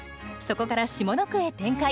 そこから下の句へ展開。